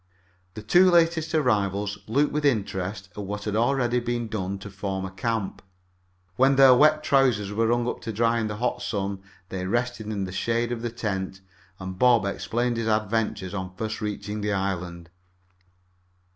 The two latest arrivals looked with interest on what had already been done to form a camp. When their wet trousers were hung up to dry in the hot sun, they rested in the shade of the tent and Bob explained his adventures on first reaching the island.